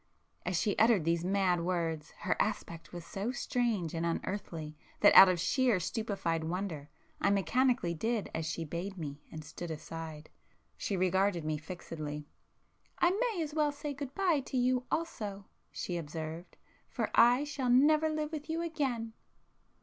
As she uttered these mad words, her aspect was so strange and unearthly, that out of sheer stupefied wonder, I mechanically did as she bade me, and stood aside. She regarded me fixedly. "I may as well say good bye to you also,"—she observed—"For I shall never live with you again."